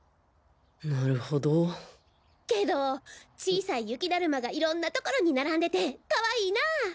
なるほどけど小さい雪だるまがいろんな所に並んでてかわいいなぁ。